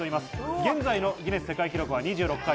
現在のギネス世界記録は２６回。